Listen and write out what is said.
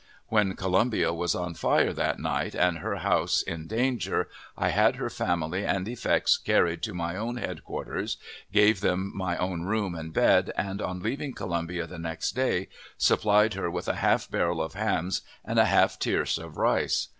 When Columbia was on fire that night, and her house in danger, I had her family and effects carried to my own headquarters, gave them my own room and bed, and, on leaving Columbia the next day, supplied her with a half barrel of hams and a half tierce of rice.